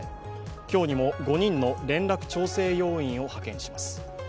今日にも５人の連絡調整要員を派遣します。